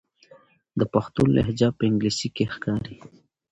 د پښتون لهجه په انګلیسي کې ښکاري.